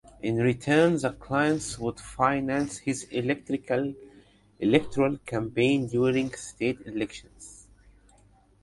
In return, the clients would finance his electoral campaign during state elections.